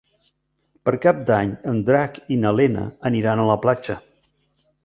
Per Cap d'Any en Drac i na Lena aniran a la platja.